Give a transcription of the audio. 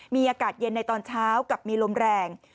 มีอากาศเย็นในตอนเช้ากับมีลมแรง